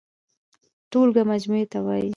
ټولګه مجموعې ته وايي.